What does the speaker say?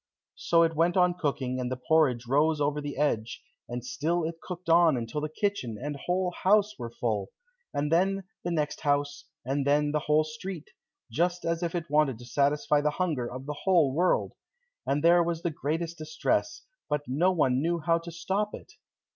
So it went on cooking and the porridge rose over the edge, and still it cooked on until the kitchen and whole house were full, and then the next house, and then the whole street, just as if it wanted to satisfy the hunger of the whole world, and there was the greatest distress, but no one knew how to stop it.